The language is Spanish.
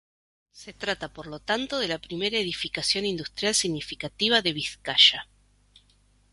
Se trata por lo tanto de la primera edificación industrial significativa de Vizcaya.